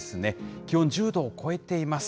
気温１０度を超えています。